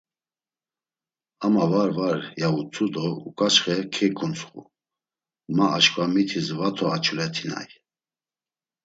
Ama var var… ya utzu do uǩaçxe keǩuntsxu; ma aşǩva mitis va to açulet̆inay.